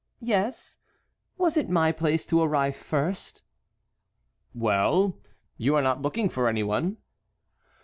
"Yes; was it my place to arrive first?" "Well, you are not looking for any one."